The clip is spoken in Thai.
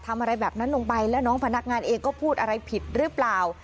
ทำอะไรแบบนั้นลงไปแล้วน้องพนักงานเองก็พูดอะไรผิดหรือเปล่า